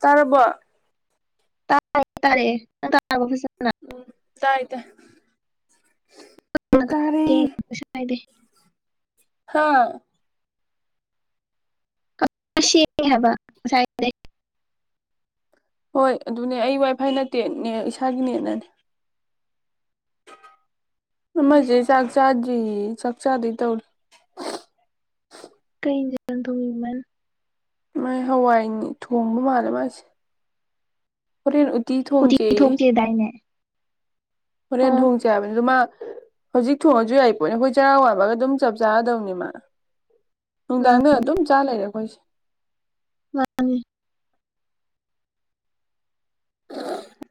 ꯇꯔꯔꯕ ꯇꯔꯣ ꯇꯔꯦ ꯎꯝ ꯇꯥꯏ ꯠꯇ ꯁ ꯍꯥꯏꯥꯏꯗꯦ ꯍꯥꯥ ꯁꯤ ꯍꯥꯏꯕ ꯍꯣꯏ ꯑꯗꯨꯅꯦ ꯑꯩ ꯋꯥꯏꯐꯥꯏ ꯅꯠꯇꯦꯅꯦ ꯏꯁꯥꯒꯤꯅꯦꯅꯅꯦ ꯏꯁ ꯃꯖꯦ ꯆꯖ ꯁꯛ ꯆꯥꯗ ꯇꯧ ꯀꯩꯖꯟ ꯊꯃ ꯃꯥꯥꯏ ꯍꯋꯥꯏꯅꯤ ꯊꯣꯡꯕ ꯃꯥꯜꯂꯦ ꯃꯥꯁꯦ ꯍꯣꯔꯦꯟ ꯎꯇꯤ ꯀꯊ ꯊꯣꯡꯖꯦꯌꯦ ꯊꯨꯝꯀꯗꯏꯅꯦ ꯍꯣꯔꯦꯟ ꯊꯣꯡꯁꯦ ꯍꯥꯏꯕꯅꯤ ꯑꯗꯨ ꯃꯥ ꯍꯧꯖꯤꯛ ꯊꯣꯡꯉꯁꯨ ꯌꯥꯏ ꯄꯣꯠꯅꯦ ꯑꯩꯈꯣꯏ ꯆꯔꯥ ꯋꯥꯕꯒ ꯑꯗꯨꯝ ꯆꯞ ꯆꯥꯔꯗꯧꯅꯤꯃ ꯃꯥꯅꯤ ꯅꯨꯡꯗꯥꯪꯗ ꯑꯗꯨꯝ ꯆꯥꯂꯔ ꯑꯣꯏꯈꯣꯏꯁ ꯋꯥꯅꯦ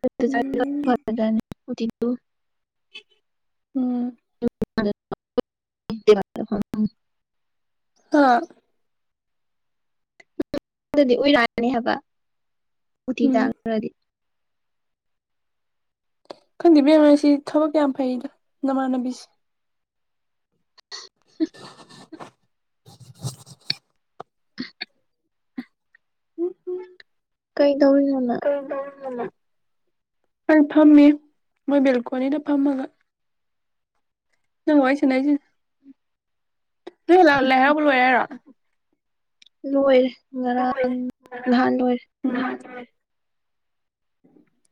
[unintelligible] ꯎꯝ ꯐꯥ ꯖꯅꯤ [unintelligible] ꯎꯝ [inaudible] ꯍꯥ ꯗꯤ ꯑꯣꯏꯔꯛꯑꯅꯤ ꯍꯥꯏꯕ ꯎ ꯊꯤ ꯎꯝ ꯇꯥꯡꯈꯔꯗꯤ ꯈꯪꯗꯦꯕꯦꯝꯃꯁꯤ ꯊꯕꯛ ꯌꯥꯝ ꯐꯩꯗ ꯅꯃꯥꯟꯅꯕꯤꯁꯤ [unintelligible] [inaudible] [inaudible] ꯎꯝ ꯎꯝ ꯀꯩ ꯇꯧꯔꯤꯅꯣꯅ꯫ ꯑꯩ ꯐꯝꯃꯤ ꯃꯣꯏ ꯕꯦꯜꯀꯣꯅꯤꯗ ꯐꯝꯃꯥꯒ꯫ ꯅꯪ ꯋꯥꯔꯤ ꯁꯥꯟꯅꯩꯁꯤꯅꯤ ꯅꯣꯏ ꯍꯂꯥ ꯂꯥꯏ ꯍꯥꯔꯧꯕ ꯂꯣꯏꯔꯦ ꯍꯥꯏꯔꯣ ꯂꯣꯏꯔꯦ ꯂꯣꯏꯔꯦ ꯉꯔꯥꯡ ꯉꯔꯥꯡ ꯅꯍꯥꯟ ꯂꯣꯏꯔꯦ ꯅꯍꯥꯟ ꯂꯣꯏꯔꯦ꯫ [unintelligible]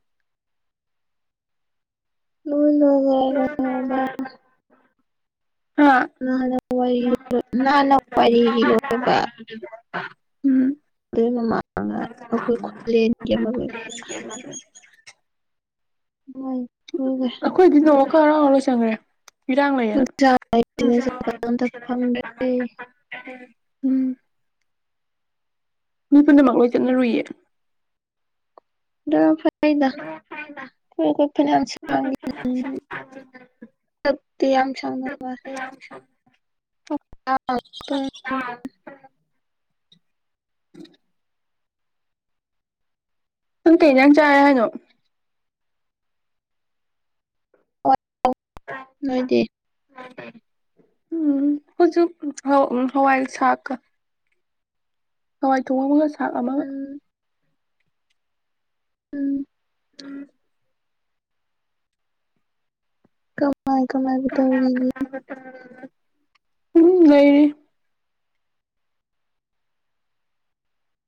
ꯂꯣꯏ ꯂꯣꯏꯒ꯭ꯔꯕ [unintelligible] ꯍꯥ ꯅꯍꯥꯟ ꯋꯥꯔꯤ ꯅꯍꯥꯟꯅ ꯋꯥꯔꯤ ꯂꯣꯏꯕ [unintelligible] ꯑꯗꯨꯏ ꯃꯃꯥꯡꯗ ꯑꯩꯈꯣꯏ ꯈꯨꯂꯦꯟꯒꯤ ꯑꯃ [inaudible] ꯂꯣꯏ ꯂꯣꯌꯒ꯭ꯔꯦ ꯈꯔ ꯑꯃ ꯆꯪꯒ꯭ꯔꯦ ꯏꯔꯥꯡ ꯂꯩꯌꯦꯅ ꯑꯝꯇ ꯐꯪꯗ꯭ꯔꯦ ꯃꯤ ꯄꯨꯝꯅꯃꯛ ꯂꯣꯏꯅ ꯆꯠꯂꯔꯣꯏꯌꯦ ꯑꯗꯨꯅ ꯐꯩ ꯗ [unintelligible] ꯌꯥꯝ ꯁꯥꯡꯅ ꯋꯥꯏ [unintelligible] ꯅꯪ ꯀꯩ ꯏꯟꯖꯥꯡ ꯆꯥꯔꯦ ꯍꯥꯏꯅꯣ [unintelligible] ꯅꯣꯏꯗꯤ ꯎꯝ [unintelligible] ꯍꯋꯥꯏ ꯁꯥꯛꯀ ꯍꯋꯥꯏ ꯊꯣꯡꯕꯒ [unintelligible] ꯎꯝ ꯎꯝ ꯎꯝ ꯀꯃ ꯀꯃꯥꯏ ꯀꯃꯥꯏꯕꯨ ꯇꯧꯔꯤꯅꯤ ꯎꯝ ꯂꯩꯔꯤ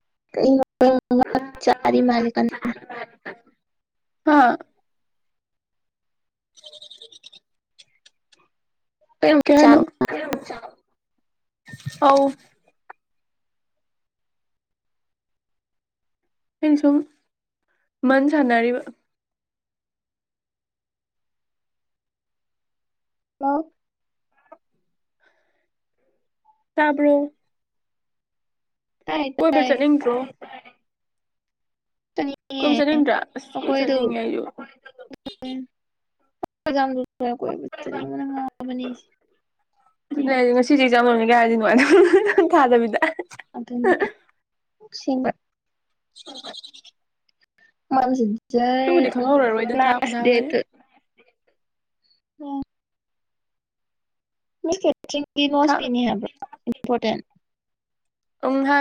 [inaudible] ꯆ [unintelligible] ꯃꯥ [inaudible] ꯀ ꯍꯥ [inaudible] ꯀꯩꯍꯥꯏꯅꯣ ꯑꯧ ꯑꯩꯅ ꯁꯨꯝ ꯃꯟ ꯁꯥꯟꯅꯔꯤꯕ ꯑ ꯇꯥꯕ꯭ꯔꯣ ꯇꯥꯏ ꯀꯣꯏ ꯕ ꯇꯥꯏ ꯆꯅꯤꯡ ꯗꯔꯣ ꯆꯠꯅꯤꯡꯉꯦ ꯀꯨꯏꯕ ꯆꯅꯤꯡꯗ꯭ꯔꯥ ꯑꯁ ꯀꯨꯏ ꯑꯩꯈꯣꯏꯗꯣ ꯆꯅꯤꯡꯉꯦ ꯑꯩꯁꯨ ꯀꯣꯏꯕ ꯆꯅꯤꯅ ꯉꯥꯎꯕꯅꯤ ꯉꯁꯤꯁꯦꯖ ꯌꯥꯝ ꯂ ꯀꯥꯏꯔꯗꯤ ꯅꯨꯡꯉꯥꯏꯅ ꯊꯥꯗꯕꯤꯗ ꯑꯗꯨ ꯁꯤ ꯎ [inaudible] ꯃꯥꯡꯁꯤꯟ ꯇꯕꯨꯗꯤ ꯈꯪꯍꯧꯔ ꯔꯣꯏꯗ ꯊꯥꯛ ꯊꯥꯛꯒꯔꯦ [inaudible] ꯑꯣ ꯃꯦ ꯀꯦ ꯆꯤꯡꯒꯤ ꯅꯣꯁ ꯊꯥꯛ ꯄꯤꯅꯤ ꯍꯥꯏꯕ꯭ꯔꯥ ꯏꯝꯄꯣꯔꯇꯦꯟ ꯎꯪꯍ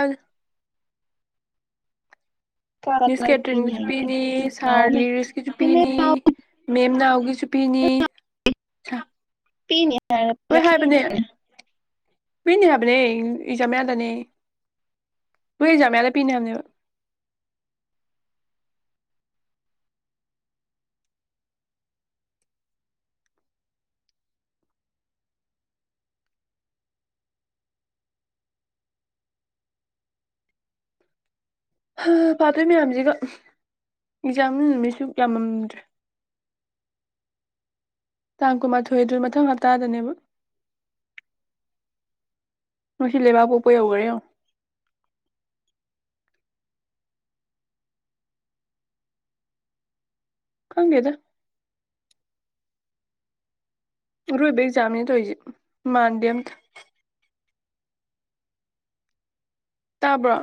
ꯀꯥ ꯀꯥ ꯃꯤꯁ ꯂꯣꯏ ꯀꯦꯇ꯭ꯔꯤꯟꯒꯤꯁꯨ ꯍꯥꯏꯒꯦ ꯄꯤꯅꯤ ꯁꯥꯔ ꯂꯤꯔꯤꯁꯀꯤꯁꯨ ꯃꯦꯝ ꯄꯤꯅꯤ ꯃꯦꯝ ꯅꯥꯎꯒꯤꯁꯨ ꯄꯤꯅꯤ ꯄꯤꯅꯤꯍ ꯂꯣꯏ ꯍꯥꯏꯕꯅꯦ ꯄꯤꯅꯤ ꯍꯥꯏꯕꯅꯦ ꯑꯦꯖꯥꯝꯗꯅꯦ ꯅꯣꯏ ꯑꯦꯖꯥꯝ ꯃꯌꯥꯗ ꯄꯤꯅ ꯍꯥꯏꯕꯅꯦ ꯍ ꯄꯥꯗꯣꯏ ꯃꯌꯥꯝꯁꯤꯒ ꯑꯦꯛꯖꯥꯝ ꯅꯨꯃꯤꯠꯁꯨ ꯌꯥꯝꯃꯝꯗ꯭ꯔꯦ ꯇꯥꯡ ꯀꯨꯟꯃꯥꯊꯣꯏ ꯗꯨ ꯃꯊꯪ ꯍꯞꯇꯥꯗꯅꯦꯕ ꯉꯁꯤ ꯂꯩꯕꯥꯛ ꯄꯣꯛꯄ ꯌꯧꯈꯔꯦꯡꯉ ꯈꯪꯗꯦꯗ ꯑꯔꯣꯏꯕ ꯑꯦꯛꯖꯥꯝꯅꯦ ꯇꯣꯏꯁꯦ ꯃꯥꯟꯗꯦ ꯑꯝꯇ ꯇꯥꯕ꯭ꯔꯣ